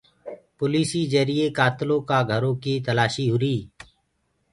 پوليسيٚ جرئي ڪآتلو ڪآ گھرو ڪيٚ تلآسيٚ هوُري۔